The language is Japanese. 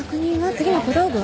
次の小道具は？